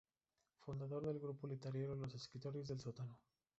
Fundador del grupo literario Los Escritores del Sótano.